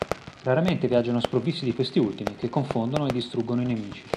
Raramente viaggiano sprovvisti di questi ultimi che confondono e distruggono i nemici.